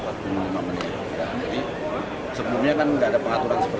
jadi sebelumnya kan tidak ada pengaturan seperti itu